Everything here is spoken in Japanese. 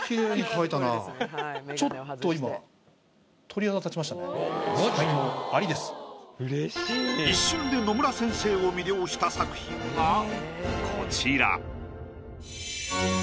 こらまた一瞬で野村先生を魅了した作品がこちら。